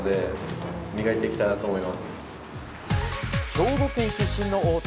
兵庫県出身の翁田。